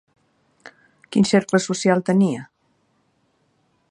Quin cercle social tenia?